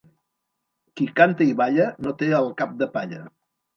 Qui canta i balla no té el cap de palla.